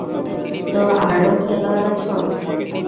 তো আরো খেলোয়াড় আছে?